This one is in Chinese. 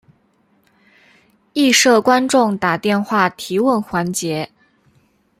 亦设观众打电话提问环节。